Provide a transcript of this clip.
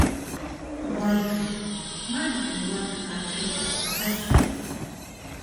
Wayqiy mana uywata hark'ayta atisqachu.